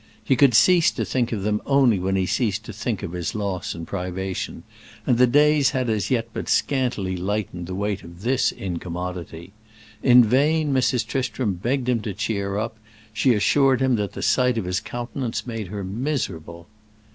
He could cease to think of them only when he ceased to think of his loss and privation, and the days had as yet but scantily lightened the weight of this incommodity. In vain Mrs. Tristram begged him to cheer up; she assured him that the sight of his countenance made her miserable.